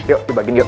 yuk dibagiin yuk